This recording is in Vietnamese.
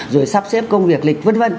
rồi sắp xếp công việc lịch v v